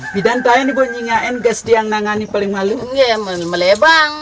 bagaimana dengan pembunuhan